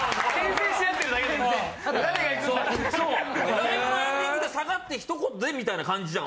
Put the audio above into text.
ライブのエンディングで下がって一言でみたいな感じじゃん。